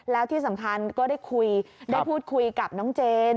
แล้วที่สำคัญก็ได้คุยได้พูดคุยกับน้องเจน